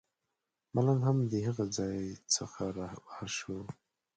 ملنګ هم د هغه ځای څخه رابهر شو.